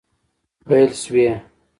پیل شوي